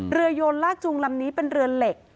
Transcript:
โยนลากจูงลำนี้เป็นเรือเหล็ก